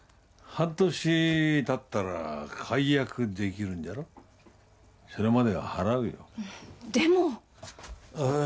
半年たったら解約できるんじゃろそれまでは払うよでもああ